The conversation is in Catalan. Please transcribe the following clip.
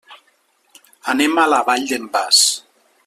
Anem a la Vall d'en Bas.